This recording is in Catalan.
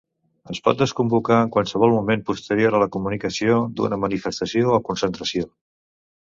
Es pot desconvocar en qualsevol moment posterior a la comunicació d'una manifestació o concentració.